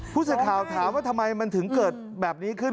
ผู้สื่อข่าวถามว่าทำไมมันถึงเกิดแบบนี้ขึ้น